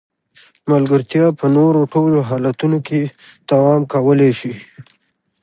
ملګرتیا په نورو ټولو حالتونو کې دوام کولای شي.